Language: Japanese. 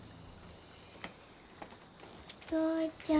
お父ちゃん。